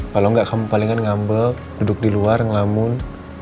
kalau enggak kamu palingan ngambel duduk di luar ngelamun